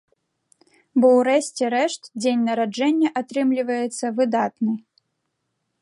Бо ў рэшце рэшт дзень нараджэння атрымліваецца выдатны.